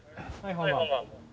・はい本番。